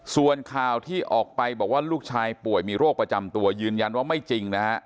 ส่วนข่าวที่ออกไปบอกว่าลูกชายป่วยมีโรคประจำตัวยืนยันว่าไม่จริงนะฮะ